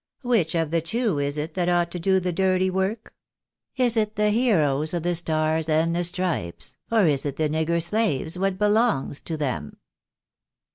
Which of the two is it tliat ought to do the dirty work ? Is it the heroes of the Stars and the Stripes, or is it the nigger slaves what belongs to them?"